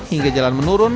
hingga jalan menurun